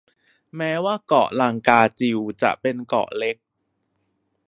แม้ว่าเกาะลังกาจิวจะเป็นเกาะเล็ก